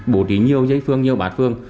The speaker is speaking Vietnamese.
bổ trí nhiều giấy phương nhiều bát phương